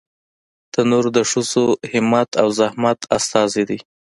تنور د ښځو همت او زحمت استازی دی